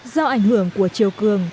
do ảnh hưởng của chiều cường